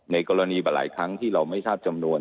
ในกรณีหลายครั้งที่เราไม่ทราบจำนวน